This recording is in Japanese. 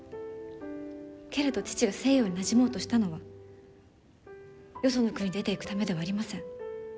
けれど、父が西洋になじもうとしたのはよその国に出て行くためではありません。